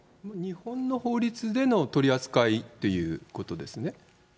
日本の法律での取り扱いということですね。